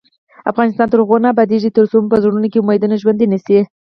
افغانستان تر هغو نه ابادیږي، ترڅو مو په زړونو کې امیدونه ژوندۍ نشي.